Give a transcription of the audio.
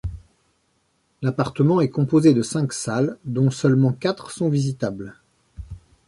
L'appartement est composé de cinq salles dont seulement quatre sont visitables.